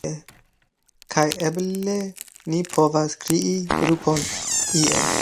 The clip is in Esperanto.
kaj eble ni povas krei grupon ie